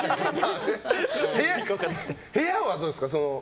部屋はどうですか？